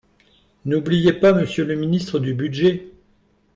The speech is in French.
N’oubliez pas Monsieur le ministre du budget